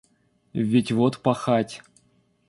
Ведь вот пахать.